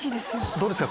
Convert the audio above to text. どうですか？